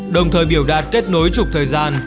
đồng thời biểu đạt kết nối chục thời gian